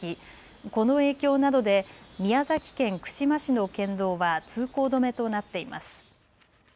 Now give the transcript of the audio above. この影響などで宮崎県串間市の県道は通行止めとなっています。